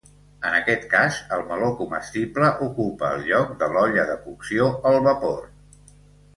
En aquest cas, el meló comestible ocupa el lloc de l'olla de cocció al vapor.